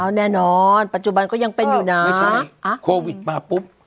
แน่นอนปัจจุบันก็ยังเป็นอยู่นะไม่ใช่อ่ะโควิดมาปุ๊บ